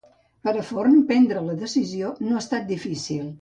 Per a Forn prendre la decisió no ha estat difícil